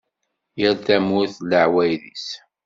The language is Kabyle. Yal tamurt d leεwayed-is.